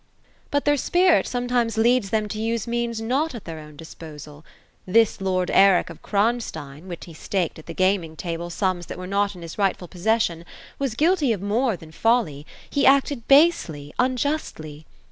^^ But their spirit sometimes leads them to use means not at their own disposal. This lord Eric of Kronstein, when he staked at the gaming table sums that were not in his rightful possession, was guilty of more than folly ; he acted basely, unjustly.